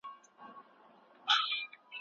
پوهه دې زیاته ده.